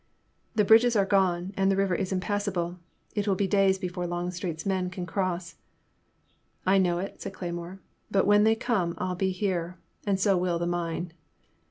The bridges are gone, and the river is impass able. It will be days before Longstreet's men can cross." I know it," said Cleymore, but when they come, I '11 be here — ^and so will the mine."